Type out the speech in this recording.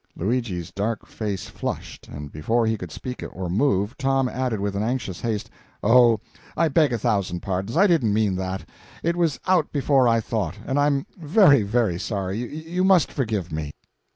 Luigi's dark face flushed, but before he could speak or move, Tom added with anxious haste: "Oh, I beg a thousand pardons. I didn't mean that; it was out before I thought, and I'm very, very sorry you must forgive me!"